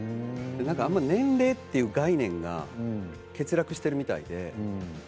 あまり年齢という概念が欠落しているみたいで。